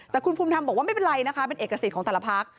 แต่คุณภูมิธรรมบอกว่าไม่เป็นไรนะคะเป็นเอกสิทธิ์ของแต่ละพัก